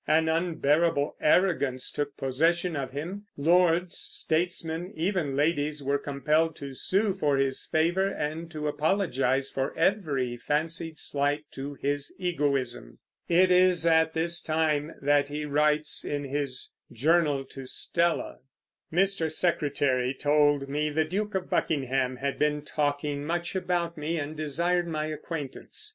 An unbearable arrogance took possession of him. Lords, statesmen, even ladies were compelled to sue for his favor and to apologize for every fancied slight to his egoism. It is at this time that he writes in his Journal to Stella: Mr. Secretary told me the Duke of Buckingham had been talking much about me and desired my acquaintance.